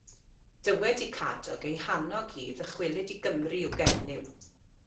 Dywed i Cadog ei hannog i ddychwelyd i Gymru o Gernyw.